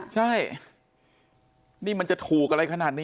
ซียังแพง